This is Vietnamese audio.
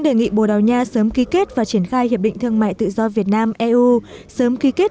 đề nghị bồ đào nha sớm ký kết và triển khai hiệp định thương mại tự do việt nam eu sớm ký kết